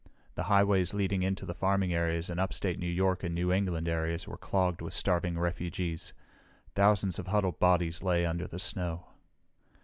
The highways leading into the farming areas in upstate New York and New England areas were clogged with starving refugees. Thousands of huddled bodies lay under the snow.